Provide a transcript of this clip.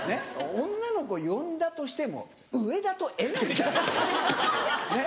女の子呼んだとしても上田とえなりだよ俺とね。